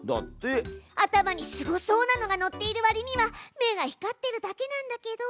頭にすごそうなのがのっているわりには目が光ってるだけなんだけど。